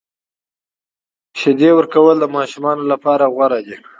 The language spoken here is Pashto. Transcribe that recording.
شیدې ورکول د ماشوم لپاره غوره دي۔